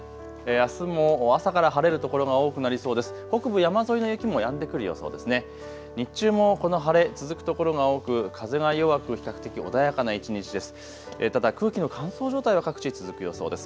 あすも朝から晴れる所が多くなりそうです。